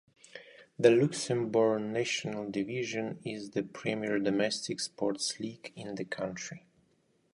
The Luxembourg National Division is the premier domestic sports League in the country.